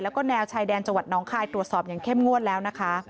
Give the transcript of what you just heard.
แล้วก็แนวชายแดนจังหวัดน้องคายตรวจสอบอย่างเข้มงวดแล้วนะคะ